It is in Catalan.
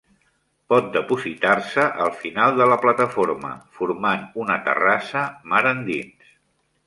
Pot depositar-se al final de la plataforma, formant una terrassa mar endins.